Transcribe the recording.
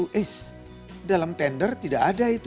eish dalam tender tidak ada itu